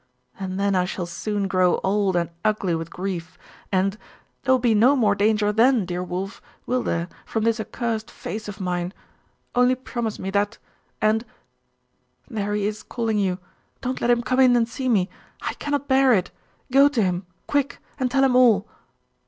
And then shall I soon grow old and ugly with grief, and there will be no more danger then, dear Wulf, will there, from this accursed face of mine? Only promise me that, and There he is calling you! Don't let him come in and see me! I cannot bear it! Go to him, quick, and tell him all.